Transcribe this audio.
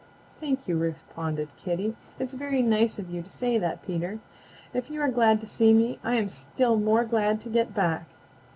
"Thank you," responded Kitty. "It's very nice of you to say that, Peter. If you are glad to see me I am still more glad to get back."